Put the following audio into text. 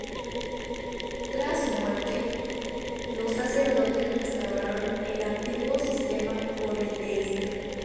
Tras su muerte, los sacerdotes restauraron el antiguo sistema politeísta.